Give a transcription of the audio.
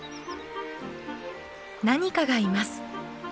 何かがいます。